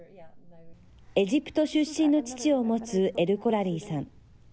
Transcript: エジプト出身の父を持つ、エルコラリーさん。